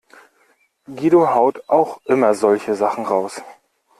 Guido haut auch immer solche Sachen raus.